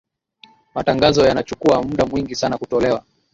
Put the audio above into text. matangazo yanachukua muda mwingi sana kutolewa